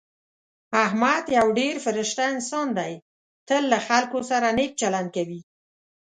احمد یو ډېر فرشته انسان دی. تل له خلکو سره نېک چلند کوي.